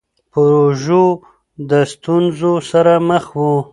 پژو د ستونزو سره مخ و.